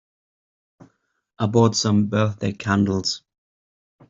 I bought some birthday candles.